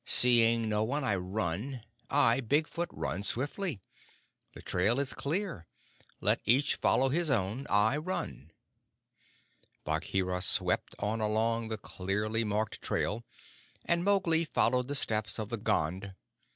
Seeing no one, I run. I, Big Foot, run swiftly. The trail is clear. Let each follow his own. I run!" Bagheera swept on along the clearly marked trail, and Mowgli followed the steps of the Gond.